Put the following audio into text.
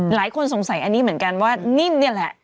หลายคนสงสัยอันนี้เหมือนกันว่านิ่มนี่แหละ